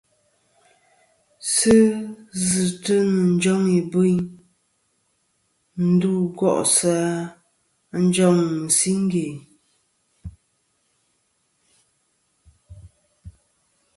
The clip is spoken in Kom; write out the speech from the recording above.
Sɨ zɨtɨ nɨ̀ njoŋ ìbɨyn ndu go'sɨ ǹ njoŋ mɨ̀siŋge.